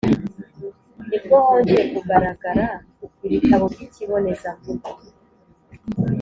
nibwo hongeye kugaragara ibitabo by’ikibonezamvugo